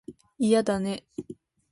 いやだね